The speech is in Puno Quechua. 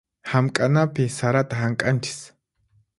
Hamk'anapi sarata hamk'anchis.